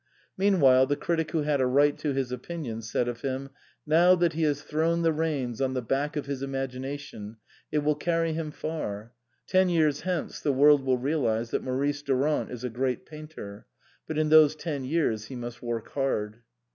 Meanwhile the critic who had a right to his opinion, said of him :" Now that he has thrown the reins on the back of his imagina tion it will carry him far. Ten years hence the world will realize that Maurice Durant is a great painter. But in those ten years he must work hard."